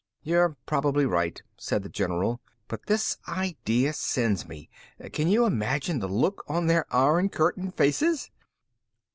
"You're probably right," said the general, "but this idea sends me. Can you imagine the look on their Iron Curtain faces?"